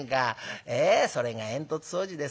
それが煙突掃除ですか。